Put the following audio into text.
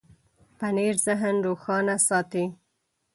پنېر ذهن روښانه ساتي.